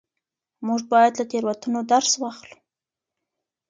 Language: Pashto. موږ بايد له تېروتنو درس واخلو.